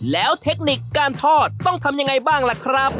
แล้วเทคนิคการทอดต้องทำยังไงบ้างล่ะครับ